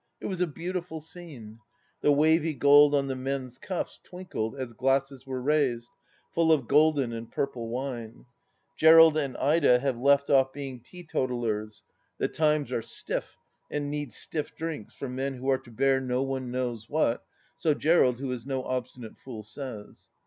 It was a beautiful scene. The wavy gold on the men's cuffs twinkled as glasses were raised, full of golden and purple wine. ... Gerald and Ida have left off being teetotalers ; the times are stiff, and need stiff drinks for men who are to bear no one knows what, so Gerald, who is no obstinate fool, says.